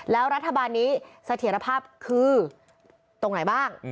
แล้วรัฐบาลนี้เสถียรภาพคือตรงไหนบ้าง